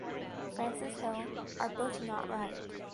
Francis Hill Arbuthnot Wright.